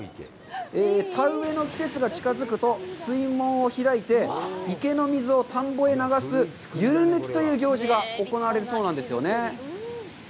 田植えの季節が近づくと水門を開いて、池の水を田んぼへ流すゆる抜きという行事が行われるそうなんですよね。